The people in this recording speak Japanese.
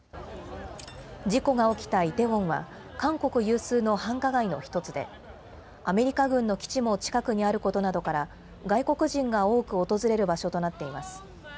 事故が起きたイテウォンは韓国有数の繁華街の１つで、アメリカ軍の基地も近くにあることなどから、外国人が多く訪れる場所となっています。